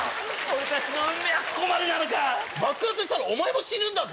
俺たちの運命はここまでなのか⁉爆発したらお前も死ぬんだぞ？